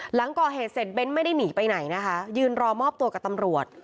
หลังก่อเหตุเสร็จเบ้นไม่ได้หนีไปไหนนะคะยืนรอมอบตัวกับตำรวจ